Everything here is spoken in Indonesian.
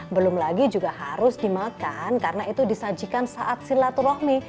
belum lagi juga harus dimakan karena itu disajikan saat silaturahmi